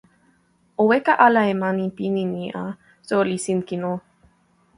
o weka ala e mani pini ni a, soweli Sinkin o.